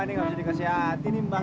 ini nggak bisa dikasih hati nih mbak